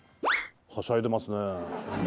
はしゃいでますね。